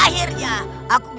dia menyebutnya bukan manusia